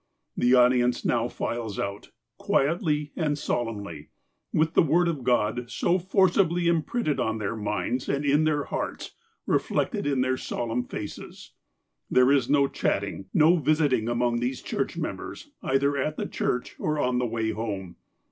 The audience now files out, quietly and solemnly, with the Word of God, so forcibly imiDrinted on their minds and in their hearts, reflected in their solemn faces. There is no chatting, no visiting among these church members, either at the church or on the way home.